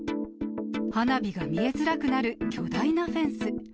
花火が見えづらくなる巨大なフェンス。